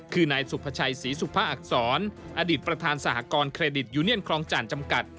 คือนายสุภาชัยศรีสุภาอักษรอดีตประธานสหกรณ์เครดิตยูเนียนคลองจ่านจำกัด